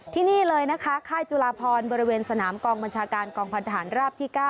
ที่นี่เลยนะคะค่ายจุลาพรบริเวณสนามกองบัญชาการกองพันธหารราบที่๙